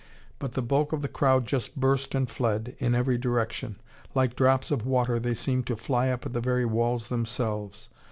But the bulk of the crowd just burst and fled in every direction. Like drops of water they seemed to fly up at the very walls themselves.